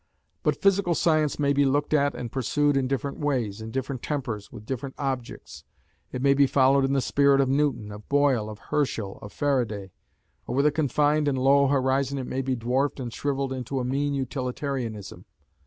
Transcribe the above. But physical science may be looked at and pursued in different ways, in different tempers, with different objects. It may be followed in the spirit of Newton, of Boyle, of Herschel, of Faraday; or with a confined and low horizon it may be dwarfed and shrivelled into a mean utilitarianism.